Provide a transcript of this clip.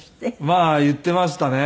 まあ言っていましたね。